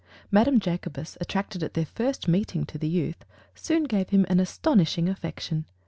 Madame Jacobus, attracted at their first meeting to the youth, soon gave him an astonishing affection.